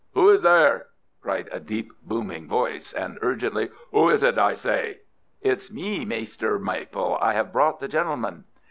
"Who is there?" cried a deep booming voice, and urgently, "Who is it, I say?" "It's me, Maister Maple. I have brought the gentleman."